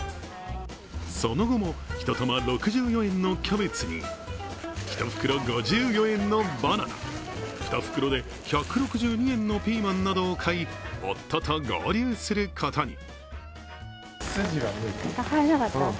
その後も、１玉６４円のキャベツに、１袋５４円のバナナ２袋で１６２円のピーマンなどを買い、夫と合流することに。